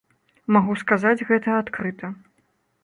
Магу сказаць гэта адкрыта.